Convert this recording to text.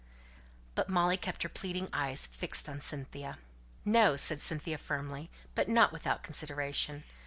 But Molly kept her pleading eyes fixed on Cynthia. "No!" said Cynthia firmly, but not without consideration.